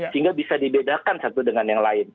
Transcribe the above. sehingga bisa dibedakan satu dengan yang lain